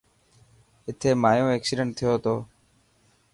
اٿي مايو ايڪسيڊنٽ ٿيو تو.